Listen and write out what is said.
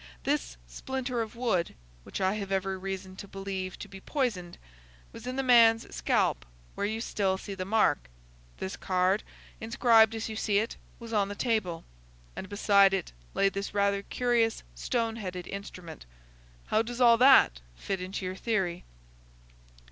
"This splinter of wood, which I have every reason to believe to be poisoned, was in the man's scalp where you still see the mark; this card, inscribed as you see it, was on the table; and beside it lay this rather curious stone headed instrument. How does all that fit into your theory?"